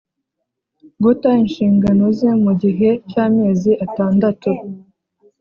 Guta inshingano ze mu gihe cy amezi atandatu